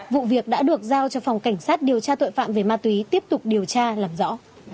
vụ việc đã được giao cho phòng cảnh sát điều tra tội phạm về ma túy tiếp tục điều tra làm rõ